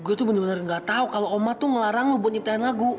gue tuh bener bener nggak tahu kalau oma tuh ngelarang lo buat niptain lagu